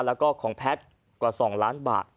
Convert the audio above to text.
แล้วก็ของแพทย์กว่า๒ล้านบาท